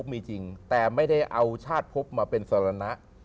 มีจริงแต่ไม่ได้เอาชาติพบมาเป็นสรณะ